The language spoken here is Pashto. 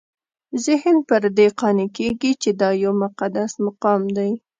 ذهن پر دې قانع کېږي چې دا یو مقدس مقام دی.